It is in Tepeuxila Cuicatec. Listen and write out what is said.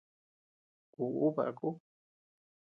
Kuʼuu baku.